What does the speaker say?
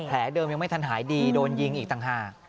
เดิมยังไม่ทันหายดีโดนยิงอีกต่างหาก